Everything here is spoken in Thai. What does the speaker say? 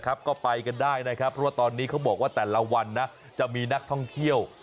ก็ไปกันได้นะครับก็เพราะตอนนี้บอกเมื่อไหร่จะมีนักท่องเที่ยว